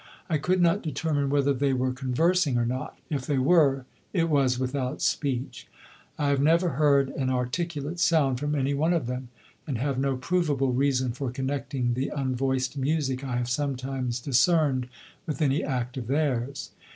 I could not determine whether they were conversing or not: if they were, it was without speech. I have never heard an articulate sound from any one of them, and have no provable reason for connecting the unvoiced music I have sometimes discerned with any act of theirs.